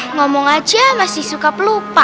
ngomong aja masih suka pelupa